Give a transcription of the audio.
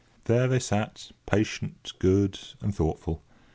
There they sat, patient, good, and thoughtful.